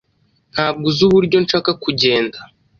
Ntabwo uzi uburyo nshaka kugenda.